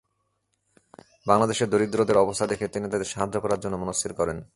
বাংলাদেশে দরিদ্রদের অবস্থা দেখে তিনি তাদের সাহায্য করার জন্য মনস্থির করেন।